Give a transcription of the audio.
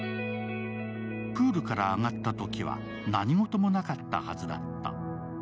プールから上がったときは何事もなかったはずだった。